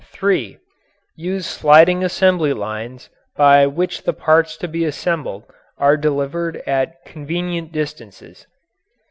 (3) Use sliding assembling lines by which the parts to be assembled are delivered at convenient distances.